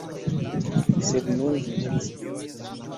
Sed nun mi devas iri.